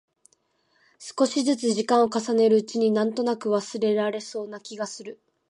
少しづつ時間を重ねるうちに、なんとなく忘れられそうな気がする。